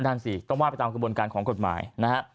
นั่นสิต้องว่าไปตามกระบวนการของกฎหมายนะฮะ